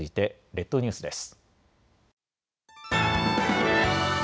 列島ニュースです。